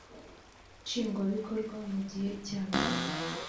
nshingwa bikorwa mugihe cya manda